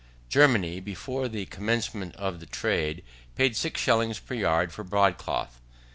Germany, before the commencement of the trade, paid six shillings per yard for broad cloth.